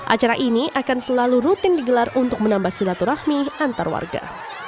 acara ini akan selalu rutin digelar untuk menambah silaturahmi antar warga